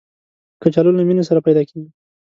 کچالو له مینې سره پیدا کېږي